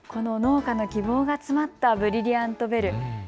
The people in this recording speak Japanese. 農家の希望が詰まったブリリアント・ベル。